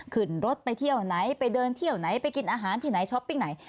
ขึ้นรถไปเที่ยวไหนไปเดินเที่ยวไหนไปกินอาหารที่ไหนช้อปปิ้งไหน